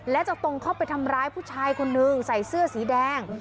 และจะตรงเข้าไปทำร้ายผู้ชายคนนึงใส่เสื้อสีแดง